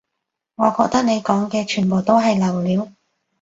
我覺得你講嘅全部都係流料